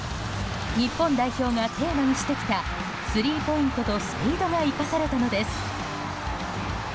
日本代表がテーマにしてきたスリーポイントとスピードが生かされたのです。